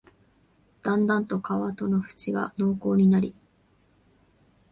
だんだんと川との縁が濃厚になり、